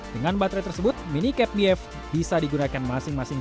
dengan baterai tersebut mini cap diev bisa digunakan masing masing